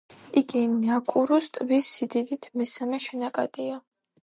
იგი ნაკურუს ტბის სიდიდით მესამე შენაკადია.